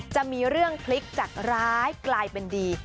จะมีเรื่องพลิกจากร้ายกลายเป็นดี